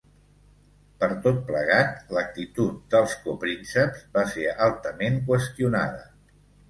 Per tot plegat, l'actitud dels coprínceps va ser altament qüestionada.